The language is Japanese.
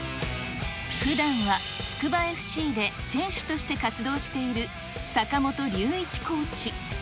ふだんはつくばＦＣで選手として活動している、坂本龍一コーチ。